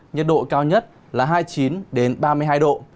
nhiệt độ cao nhất là hai mươi chín ba mươi hai độ